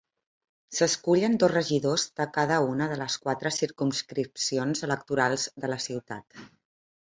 S'escullen dos regidors de cada una de les quatre circumscripcions electorals de la ciutat.